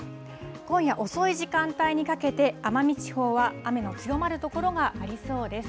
今夜遅い時間帯にかけて、奄美地方は雨の強まる所がありそうです。